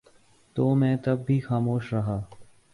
تو میں تب بھی خاموش رہا